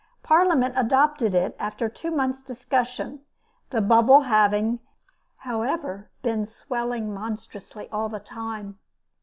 Parliament adopted it after two months' discussion the Bubble having, however, been swelling monstrously all the time.